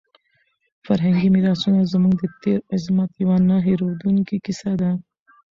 فرهنګي میراثونه زموږ د تېر عظمت یوه نه هېرېدونکې کیسه ده.